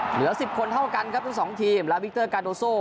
เหลือ๑๐คนเท่ากันครับทั้งสองทีมและวิกเตอร์กาโดโซ